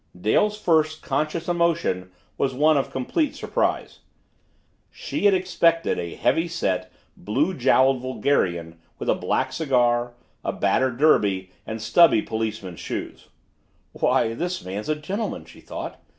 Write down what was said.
Dale's first conscious emotion was one of complete surprise. She had expected a heavy set, blue jowled vulgarian with a black cigar, a battered derby, and stubby policeman's shoes. "Why this man's a gentleman!" she thought.